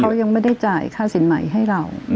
เขายังไม่ได้จ่ายค่าสินใหม่ให้เรา